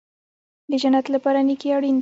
د جنت لپاره نیکي اړین ده